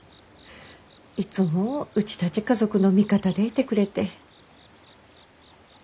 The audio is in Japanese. いつもうちたち家族の味方でいてくれて。